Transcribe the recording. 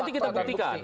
nanti kita buktikan